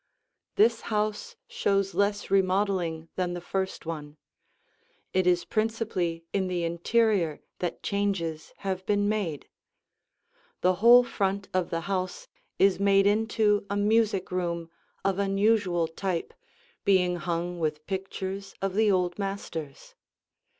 This house shows less remodeling than the first one; it is principally in the interior that changes have been made. The whole front of the house is made into a music room of unusual type, being hung with pictures of the old masters.